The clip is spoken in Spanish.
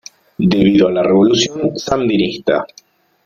Debido a la Revolución Sandinista.